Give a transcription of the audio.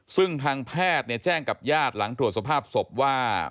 ซึ่งทางแพทย์แจ้งกับญาติหลังตรวจสภาพศพว่า